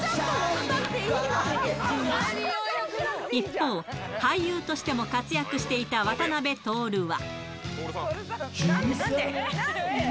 一方、俳優としても活躍していた渡辺徹は。